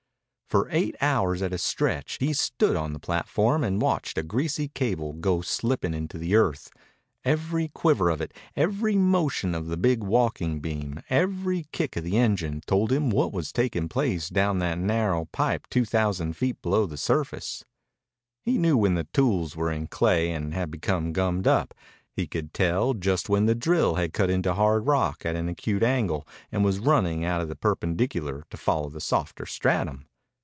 For eight hours at a stretch he stood on the platform and watched a greasy cable go slipping into the earth. Every quiver of it, every motion of the big walking beam, every kick of the engine, told him what was taking place down that narrow pipe two thousand feet below the surface. He knew when the tools were in clay and had become gummed up. He could tell just when the drill had cut into hard rock at an acute angle and was running out of the perpendicular to follow the softer stratum.